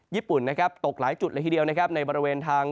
ญี่ปุ่นตกหลายจุดในบริเวณทาง